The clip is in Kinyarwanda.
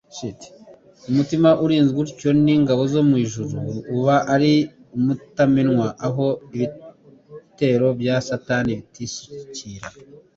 Umutima urinzwe utyo n'ingabo zo mu ijuru, uba ari umutamenwa aho ibitero bya Satani bitisukira.